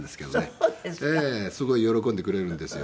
すごい喜んでくれるんですよ。